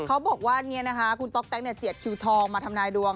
เขาบอกว่าอย่างนี้นะคะคุณต๊อกแต๊กเนี่ยเจียดคิวทองมาทำนายดวง